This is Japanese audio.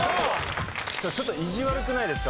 ⁉ちょっと意地悪くないですか？